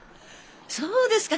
そうですか。